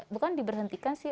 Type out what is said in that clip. bukan diberhentikan sih